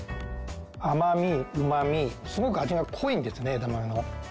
甘味うまみすごく味が濃いんですね枝豆の。